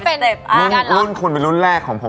เอ่อคือก็เริ่มเล่นนางก่อน